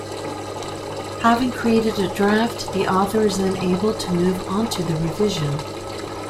Having created a draft, the author is then able to move onto the revision.